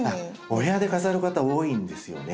お部屋で飾る方多いんですよね。